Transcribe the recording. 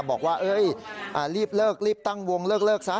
บอกว่ารีบเลิกรีบตั้งวงเลิกซะ